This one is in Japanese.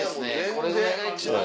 これぐらいが一番。